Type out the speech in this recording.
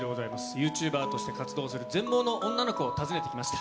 ユーチューバーとして活動する全盲の女の子を訪ねてきました。